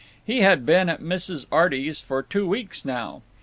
He had been at Mrs. Arty's for two weeks now.